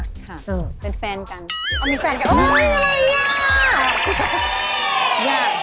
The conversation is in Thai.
ค่ะเป็นแฟนกันเอ้ยอะไรน่ะ